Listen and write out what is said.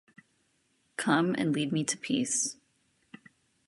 Come and lead me to peace.